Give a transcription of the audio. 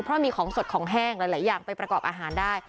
เพราะมีของสดของแห้งหลายอย่างไปประกอบอาหารได้